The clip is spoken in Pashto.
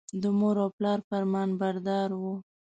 د مور او پلار فرمانبردار و.